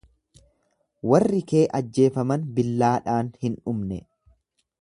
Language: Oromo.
Warri kee ajjeefaman billaadhaan hin dhumne.